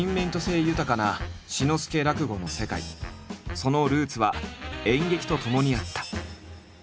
そのルーツは演劇とともにあった。